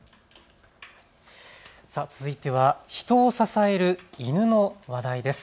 続いては人を支える犬の話題です。